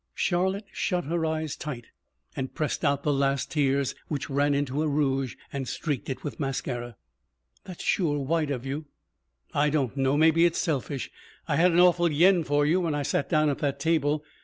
Charlotte shut her eyes tight and pressed out the last tears, which ran into her rouge and streaked it with mascara. "That's sure white of you." "I don't know. Maybe it's selfish. I had an awful yen for you when I sat down at that table.